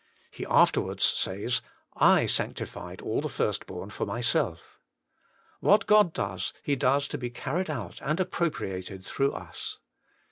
He afterwards says, '/ sanctified all the first born for myself.' What God does He does to be carried out and appropriated through us.